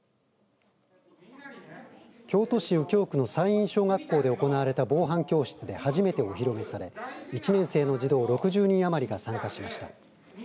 京都市右京区の西院小学校で行われた防犯教室で初めてお披露目され１年生の児童６０人余りが参加しました。